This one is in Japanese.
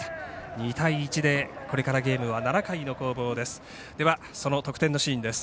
２対１でこれからゲームは７回の攻防です。